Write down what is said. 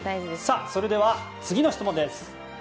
それでは次の質問です。